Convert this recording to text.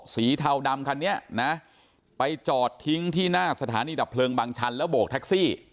เทาดำคันนี้นะไปจอดทิ้งที่หน้าสถานีดับเพลิงบางชันแล้วโบกแท็กซี่